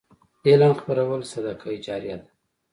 علم خپرول صدقه جاریه ده.